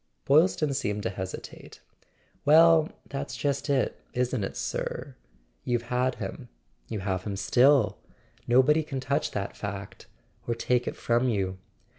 Boylston seemed to hesitate. "Well, that's just it, isn't it, sir? You've had him; you have him still. No¬ body can touch that fact, or take it from you.